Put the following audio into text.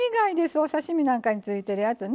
お刺身なんかについてるやつね。